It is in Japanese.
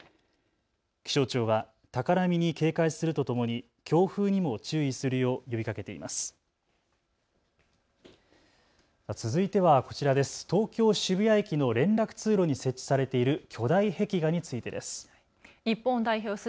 気象庁は高波に警戒するとともに強風にも注意するよう呼びかけています。